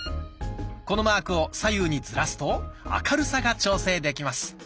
このマークを左右にずらすと明るさが調整できます。